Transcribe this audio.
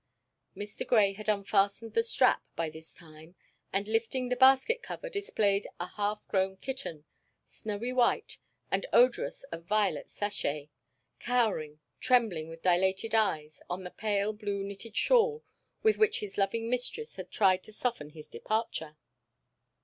Mr. Grey had unfastened the strap by this time, and, lifting the basket cover, displayed a half grown kitten, snowy white and odorous of violet sachet, cowering, trembling, with dilated eyes, on the pale blue knitted shawl with which his loving mistress had tried to soften his departure.